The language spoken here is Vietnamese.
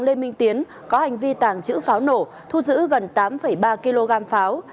lê minh tiến có hành vi tàng trữ pháo nổ thu giữ gần tám ba kg pháo